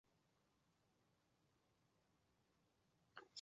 岛屿铁甲虫为金花虫科窄颈铁甲虫属下的一个种。